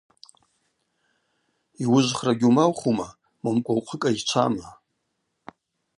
Йуыжвхра гьумаухума, момкӏва ухъвы кӏайчвама?